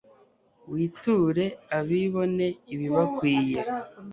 witure abibone ibibakwiye